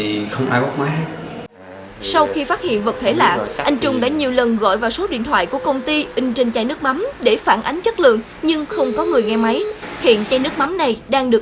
nước mắm nguyên chất rất đậm đà nhưng sau khi phát hiện vật thể lạ anh trung đã nhiều lần gọi vào số điện thoại của công ty in trên chai nước mắm để phản ánh chất lượng nhưng không có người nghe máy